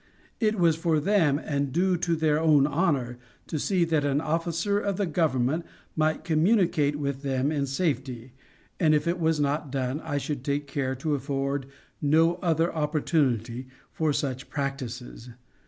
It was for them, and due to their own honor, to see that an officer of the Government might communicate with them in safety; and if it was not done, I should take care to afford no other opportunity for such practices.